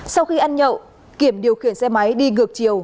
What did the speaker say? sau khi ăn nhậu kiểm điều khiển xe máy đi ngược chiều